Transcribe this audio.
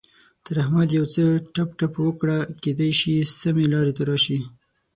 تر احمد يو څه ټپ ټپ وکړه؛ کېدای شي سمې لارې ته راشي.